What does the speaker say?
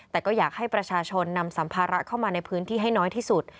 แต่ก็อยากให้ประชาชนนำสัมภาระเข้ามาในพื้นที่ให้น้อยที่สุด